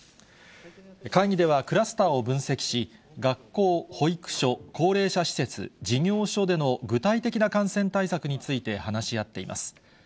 会議では、クラスターを分析し、学校、保育所、高齢者施設、事業所での具体的な感染対策について話し合っています。